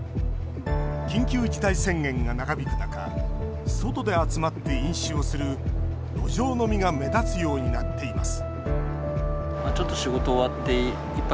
緊急事態宣言が長引く中外で集まって飲酒をする路上飲みが目立つようになっています